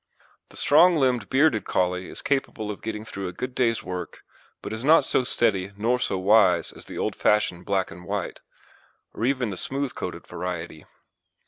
The strong limbed bearded Collie is capable of getting through a good day's work, but is not so steady nor so wise as the old fashioned black and white, or even the smooth coated variety.